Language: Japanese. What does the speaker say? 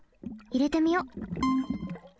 いれてみよ。